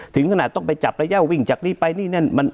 ถึงขนาดต้องไปจับระยะวิ่งจากนี้ไปนี่นั่น